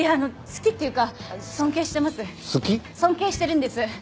尊敬してるんです。